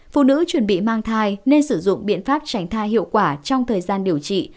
phụ nữ chuẩn bị mang thai nên sử dụng biện pháp tránh thai hiệu quả trong thời gian điều trị